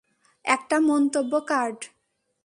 একটা মন্তব্য কার্ড?